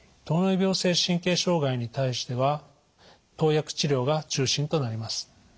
糖尿病性神経障害に対しては投薬治療が中心となります。